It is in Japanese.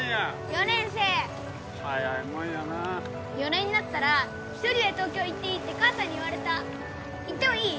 ４年生早いもんやなあ４年になったら１人で東京行っていいって母さんに言われた行ってもいい？